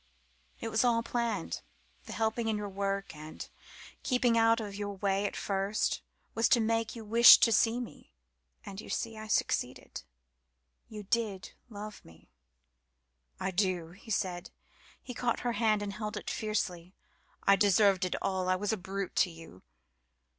It was all planned, the helping in your work and keeping out of your way at first was to make you wish to see me. And, you see, I succeeded. You did love me." "I do," he said. He caught her hand and held it fiercely. "I deserved it all. I was a brute to you."